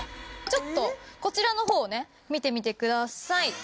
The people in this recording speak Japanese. ちょっとこちらの方をね見てみてください。